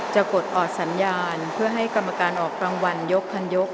กดออดสัญญาณเพื่อให้กรรมการออกรางวัลยกพันยก